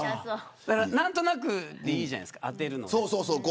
何となくでいいじゃないですか当てるの。